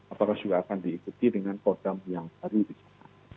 apakah juga akan diikuti dengan kodam yang baru disana